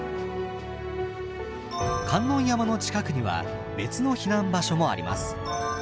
観音山の近くには別の避難場所もあります。